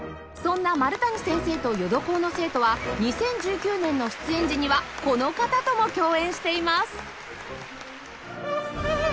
そんな丸谷先生と淀工の生徒は２０１９年の出演時にはこの方とも共演しています！